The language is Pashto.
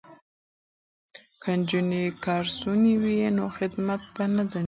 که نجونې ګارسونې وي نو خدمت به نه ځنډیږي.